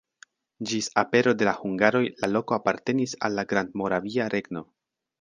Ĝis apero de la hungaroj la loko apartenis al la Grandmoravia Regno.